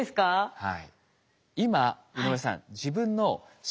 はい。